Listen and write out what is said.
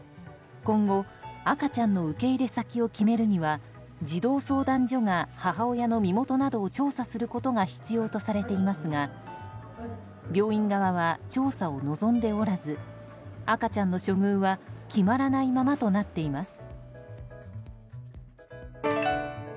今後、赤ちゃんの受け入れ先を決めるには児童相談所が母親の身元などを調査することが必要とされていますが病院側は調査を望んでおらず赤ちゃんの処遇は決まらないままとなっています。